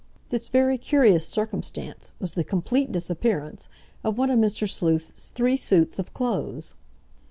This very curious circumstance was the complete disappearance of one of Mr. Sleuth's three suits of clothes.